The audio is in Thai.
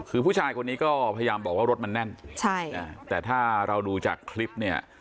คือผู้ชายคนนี้ก็พยายามบอกว่ารถมันแน่นใช่แต่ถ้าเราดูจากคลิปเนี่ย